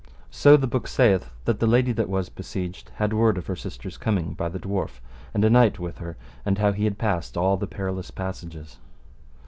So the book saith that the lady that was besieged had word of her sister's coming by the dwarf, and a knight with her, and how he had passed all the perilous passages.